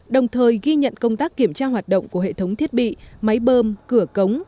đồng thời ghi nhận công tác kiểm tra hoạt động của hệ thống thiết bị máy bơm cửa cống